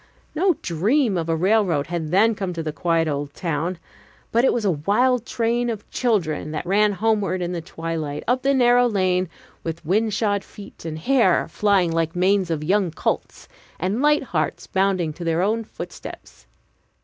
No dream of a railroad had then come to the quiet old town, but it was a wild train of children that ran homeward in the twilight up the narrow lane, with wind shod feet, and hair flying like the manes of young colts, and light hearts bounding to their own footsteps.